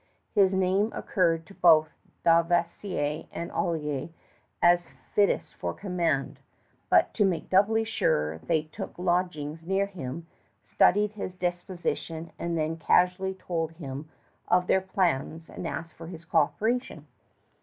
His name occurred to both Dauversière and Olier as fittest for command; but to make doubly sure, they took lodgings near him, studied his disposition, and then casually told him of their plans and asked his coöperation.